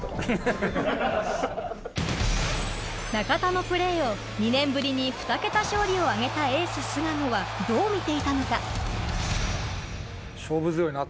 中田のプレーを２年ぶりにふた桁勝利を挙げたエース菅野はどう見ていたのか？